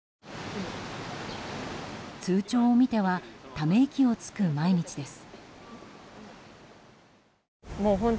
通帳を見てはため息をつく毎日です。